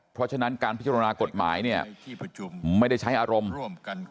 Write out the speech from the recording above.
เพราะฉะนั้นการพิจารณากฎหมายเนี่ยไม่ได้ใช้อารมณ์